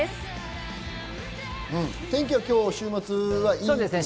天気は、週末はいいんですね？